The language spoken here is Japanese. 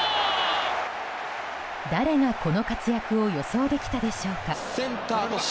誰がこの活躍を予想できたでしょうか。